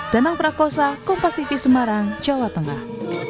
danang prakosa kompasifi semarang jawa tengah